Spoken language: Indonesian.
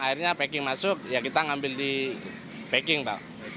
akhirnya packing masuk ya kita ngambil di packing pak